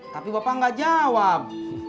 tapi bapak gak jawab